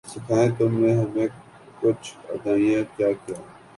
سکھائیں تم نے ہمیں کج ادائیاں کیا کیا